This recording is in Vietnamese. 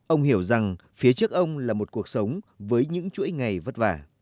ông hiểu rằng phía trước ông là một cuộc sống với những chuỗi ngày vất vả